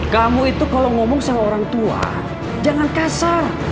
kamu itu kalau ngomong sama orang tua jangan kasar